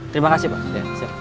terima kasih pak